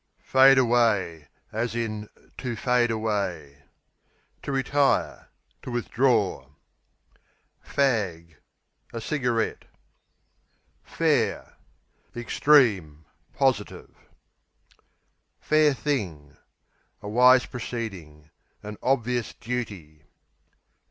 Fade away, to To retire; to withdraw. Fag A cigarette. Fair Extreme; positive. Fair thing A wise proceeding; an obvious duty.